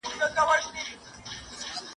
لا« څشي غواړی» له واکمنانو !.